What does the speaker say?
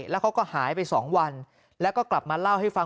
แล้วเขาก็หายไป๒วันแล้วก็กลับมาเล่าให้ฟัง